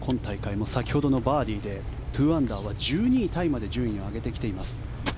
今大会も先ほどのバーディーで２アンダーは１２位タイまで順位を上げてきています。